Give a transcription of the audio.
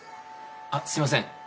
あっすいません。